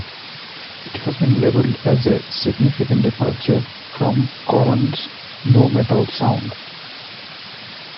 It has been labeled as a "significant departure" from Korn's nu metal sound.